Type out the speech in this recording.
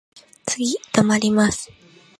次止まります。